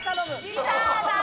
ギターだ！